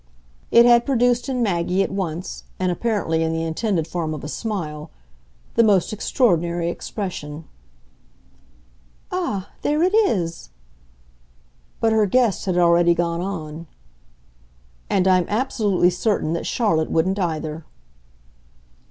It had produced in Maggie, at once, and apparently in the intended form of a smile, the most extraordinary expression. "Ah, there it is!" But her guest had already gone on. "And I'm absolutely certain that Charlotte wouldn't either."